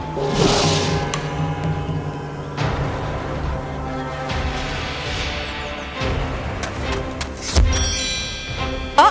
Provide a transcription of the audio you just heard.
tidak tidak tidak